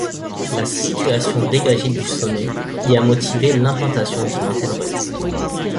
La situation dégagée du sommet y a motivé l'implantation d'une antenne-relais.